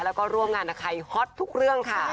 แล้วก็ร่วมงานกับใครฮอตทุกเรื่องค่ะ